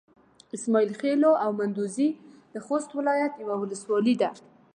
اسماعيل خېلو او مندوزي د خوست ولايت يوه ولسوالي ده.